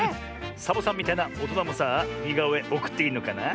サボさんみたいなおとなもさあにがおえおくっていいのかな？